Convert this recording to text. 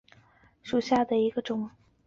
腾越紫菀为菊科紫菀属下的一个种。